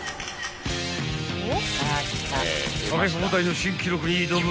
［食べ放題の新記録に挑む